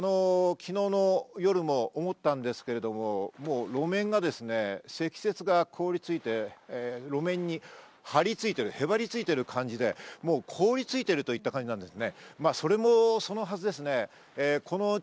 昨日の夜も思ったんですけど、積雪が凍りついて路面に張り付いている、へばりついている感じで、凍りついているといった感じですね。